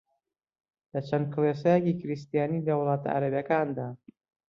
لە چەند کڵێسایەکی کریستیانی لە وڵاتە عەرەبییەکاندا